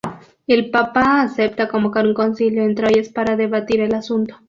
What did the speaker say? El Papa acepta convocar un concilio en Troyes para debatir el asunto.